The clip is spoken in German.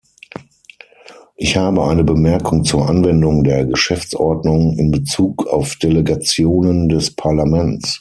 Ich habe eine Bemerkung zur Anwendung der Geschäftsordnung in Bezug auf Delegationen des Parlaments.